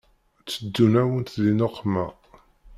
Teddun-awent di nneqma.